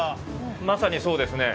まさに、そうですね。